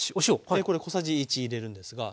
これ小さじ１入れるんですが。